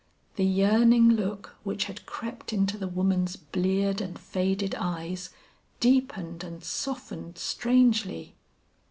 The yearning look which had crept into the woman's bleared and faded eyes, deepened and softened strangely.